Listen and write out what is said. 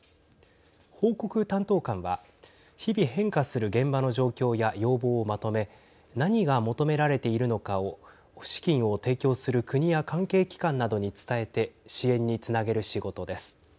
報告担当官は日々変化する現場の状況や要望をまとめ何が求められているのかを資金を提供する国や関係機関などに伝えて支援につなげる仕事です。